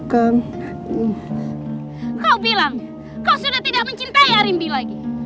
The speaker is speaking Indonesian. kau bilang kau sudah tidak mencintai rimbi lagi